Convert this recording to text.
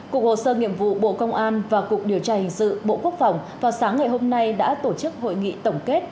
cục hồ sơ nghiệm vụ bộ công an và cục điều tra hình sự bộ quốc phòng vào sáng ngày hôm nay đã tổ chức hội nghị tổng kết